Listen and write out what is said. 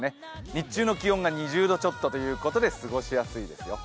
日中の気温が２０度ちょっとということで過ごしやすいですよ。